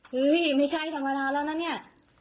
เฮ้ยไม่ใช่เวลาแล้วนะเนี่ย